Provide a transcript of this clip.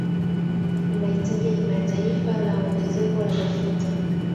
Ni mahitaji ya kimataifa la ongezeko la mafuta